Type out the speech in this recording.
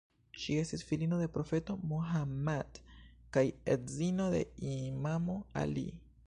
Ŝi estis filino de profeto Mohammad kaj edzino de imamo Ali.